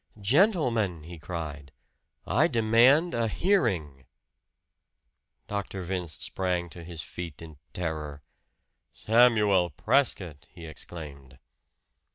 "Gentlemen!" he cried. "I demand a hearing!" Dr. Vince sprang to his feet in terror. "Samuel Prescott!" he exclaimed.